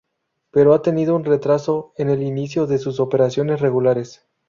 Pero ha tenido un retraso en el inicio de sus operaciones regulares.